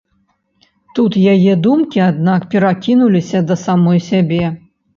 Тут яе думкі, аднак, перакінуліся да самой сябе.